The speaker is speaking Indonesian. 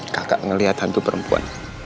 kakak ngeliat hantu perempuan